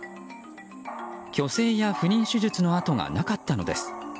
去勢や不妊手術の痕がなかったのです。